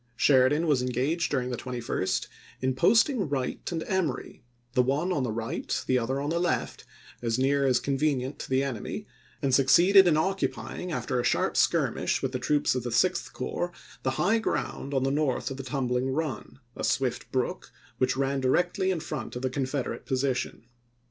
Sheridan was engaged during the 21st in posting Wright and Emory, the one on the right, the other on the left, as near as convenient to the enemy, and suc ceeded in occupying, after a sharp skirmish with troops of the Sixth Corps, the high ground on the north of Tumbling Run, a swift brook which ran directly in front of the Confederate position.